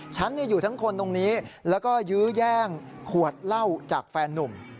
ฉันอยู่ทั้งคนตรงนี้แล้วก็ยื้อแย่งขวดเหล้าจากแฟนนุ่ม